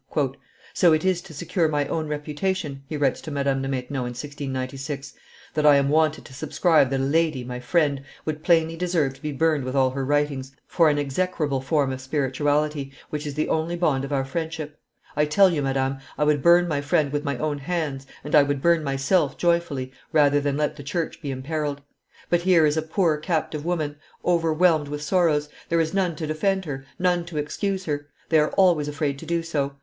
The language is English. "So it is to secure my own reputation," he writes to Madame de Maintenon, in 1696, "that I am wanted to subscribe that a lady, my friend, would plainly deserve to be burned with all her writings, for an execrable form of spirituality, which is the only bond of our friendship? I tell you, madame, I would burn my friend with my own hands, and I would burn myself joyfully, rather than let the church be imperilled. But here is a poor captive woman, overwhelmed with sorrows; there is none to defend her, none to excuse her; they are always afraid to do so.